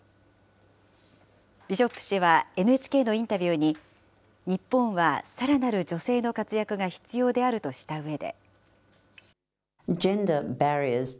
ビショップ氏はＮＨＫのインタビューに、日本はさらなる女性の活躍が必要であるとしたうえで。